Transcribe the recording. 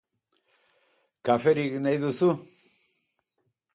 Kaferik nahi duzu?